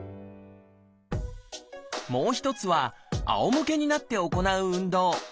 もう一つはあおむけになって行う運動。